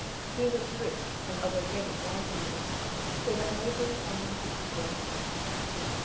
He was brisk and of a ready lively wit, so that nobody or nothing could worst him.